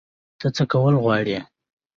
ته څه کول غواړې؟